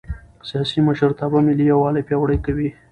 سیاسي مشرتابه ملي یووالی پیاوړی کوي